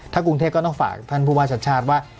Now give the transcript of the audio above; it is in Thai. กรุงเทพก็ต้องฝากท่านผู้ว่าชาติชาติว่า